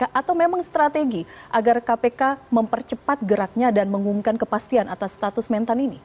atau memang strategi agar kpk mempercepat geraknya dan mengumumkan kepastian atas status mentan ini